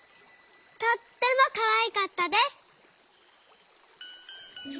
とってもかわいかったです」。